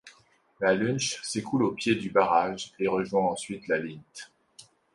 La Löntsch s'écoule au pied du barrage et rejoint ensuite la Linth.